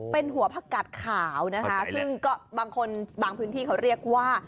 เป็นหัวผักกัดขาวนะคะซึ่งก็บางคนบางพื้นที่เขาเรียกว่า